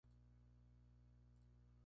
Nació en São Luís, Maranhão.